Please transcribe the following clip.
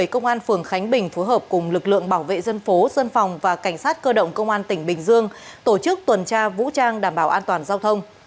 công an phường khánh bình phối hợp cùng lực lượng bảo vệ dân phố dân phòng và cảnh sát cơ động công an tỉnh bình dương tổ chức tuần tra vũ trang đảm bảo an toàn giao thông